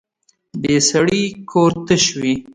بې سړي کور تش وي